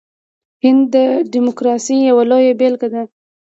هند د ډیموکراسۍ یوه لویه بیلګه ده.